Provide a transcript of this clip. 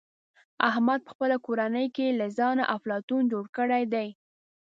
احمد په خپله کورنۍ کې له ځانه افلاطون جوړ کړی دی.